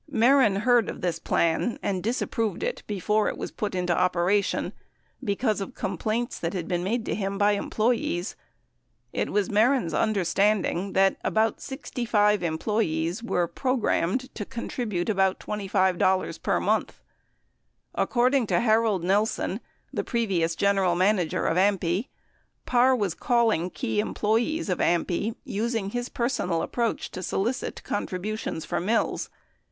Mehren heard of this plan and disapproved it before it was put into operation because of complaints that had been made to him by employees. It was Mehren's understanding that about 65 employees were programed to contribute about $25 per month. According to Har old Nelson, the previous general manager of AMPI, Parr was "calling key employees of AMPI," 75 using his personal approach to solicit contributions for Mills.